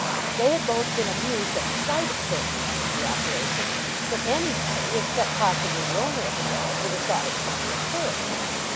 They had both been amused at the sight of Sammy after the operation, but anybody, except possibly the owner of the dog, would have thought it funny at first.